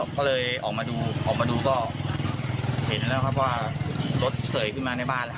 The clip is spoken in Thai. พอเลยออกมาดูก็เห็นแล้วครับว่ารถสื่อขึ้นมาในบ้าน